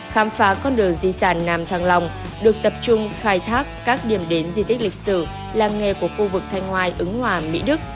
khám phá con đường di sản nam thăng long được tập trung khai thác các điểm đến di tích lịch sử làng nghề của khu vực thanh hoài ứng hòa mỹ đức